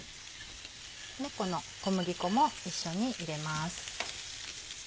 この小麦粉も一緒に入れます。